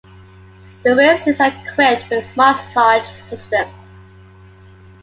The rear seats are equipped with a massage system.